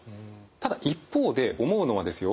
ただ一方で思うのはですよ